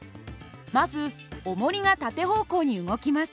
まずおもりが縦方向に動きます。